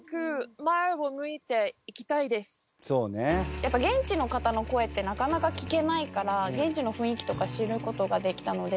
やっぱ現地の方の声ってなかなか聞けないから現地の雰囲気とか知る事ができたので。